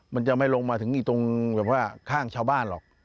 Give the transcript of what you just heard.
มันจะไม่ลงมาถึงอีกตรงแบบว่าข้างชาวบ้านหรอก